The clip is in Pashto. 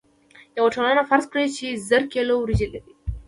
یوه ټولنه فرض کړئ چې زر کیلو وریجې لري.